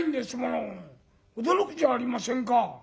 驚くじゃありませんか」。